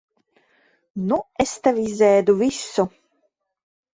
Nu es tev izēdu visu.